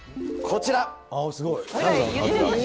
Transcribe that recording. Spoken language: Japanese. こちら。